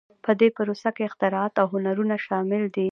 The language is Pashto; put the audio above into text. په دې پروسه کې اختراعات او هنرونه شامل دي.